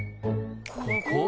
ここ？